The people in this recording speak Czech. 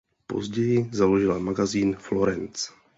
Později založila magazín "Florence".